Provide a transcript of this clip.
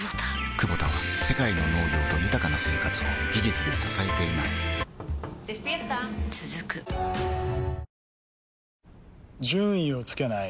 クボタは世界の農業と豊かな生活を技術で支えています起きて。